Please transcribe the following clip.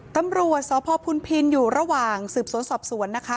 ตำรวจสภพพิลอยู่ระหว่างสืบศวรรษสวนนะคะ